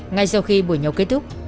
ngay sau khi buổi nhau kết thúc